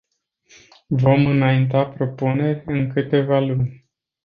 Vom înainta propuneri în câteva luni.